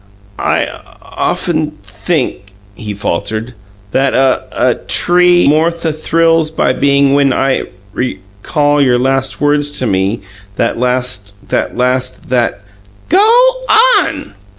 "'I often think,'" he faltered, "'and a a tree more th thrills my bein' when I REcall your last words to me that last that last that '" "GO ON!"